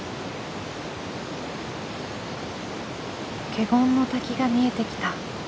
華厳の滝が見えてきた。